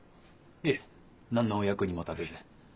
いえ何のお役にも立てず。